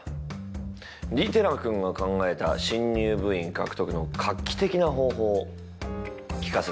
利寺君が考えた新入部員獲得の画期的な方法を聞かせてもらおうか。